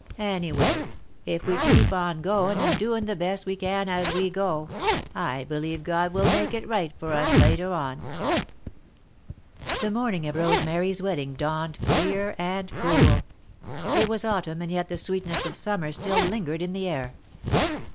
Anyway, if we keep on goin' and doin' the best we can as we go, I believe God will make it right for us later on." The morning of Rosemary's wedding dawned clear and cool. It was Autumn and yet the sweetness of Summer still lingered in the air.